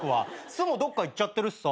「す」もどっかいっちゃってるしさ。